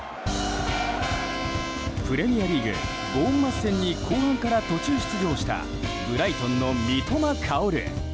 プレミアリーグ、ボーンマス戦に後半から途中出場したブライトンの三笘薫。